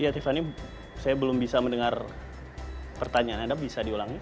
ya tiffany saya belum bisa mendengar pertanyaan anda bisa diulangi